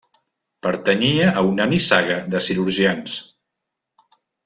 Pertanyia a una nissaga de cirurgians.